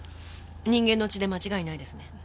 人間の血で間違いないですね。